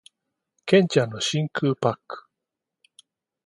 剣ちゃんの真空パック